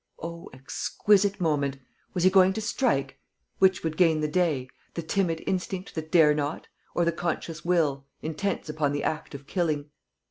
O exquisite moment! Was he going to strike? Which would gain the day: the timid instinct that dare not, or the conscious will, intense upon the act of killing?